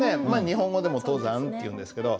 日本語でも「登山」って言うんですけど。